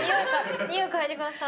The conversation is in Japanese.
匂い嗅いでください。